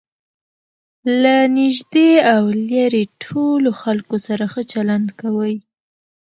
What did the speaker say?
له نژدې او ليري ټولو خلکو سره ښه چلند کوئ!